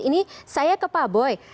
ini saya ke pak boy